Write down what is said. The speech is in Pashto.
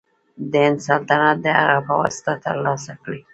د هند سلطنت د هغه په واسطه تر لاسه کړي.